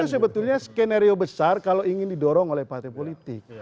itu sebetulnya skenario besar kalau ingin didorong oleh partai politik